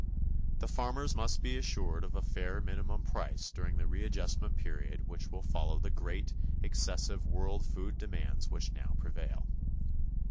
The farmers must be assured of a fair minimum price during the readjustment period which will follow the great, excessive world food demands which now prevail.